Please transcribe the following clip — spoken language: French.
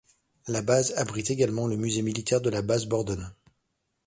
La base abrite également le Musée militaire de la base Borden.